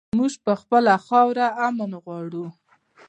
مونږ پر خپله خاوره امن غواړو